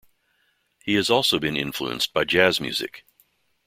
He has also been influenced by jazz music.